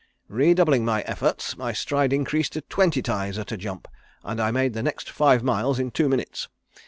Redoubling my efforts, my stride increased to twenty ties at a jump, and I made the next five miles in two minutes.